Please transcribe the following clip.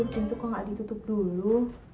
ibu tidur tentu kok gak ditutup dulu